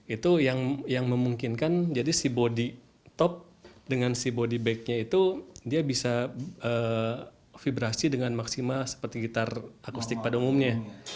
itu yang memungkinkan bodi top dengan bodi back nya itu bisa vibrasi dengan maksimal seperti gitar akustik pada umumnya